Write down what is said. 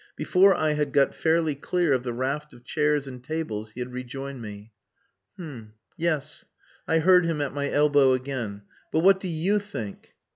Before I had got fairly clear of the raft of chairs and tables he had rejoined me. "H'm, yes!" I heard him at my elbow again. "But what do you think?"